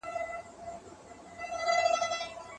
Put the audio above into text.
د علمي څېړنو پر بنسټ هېوادونه پرمختګ کولای سي.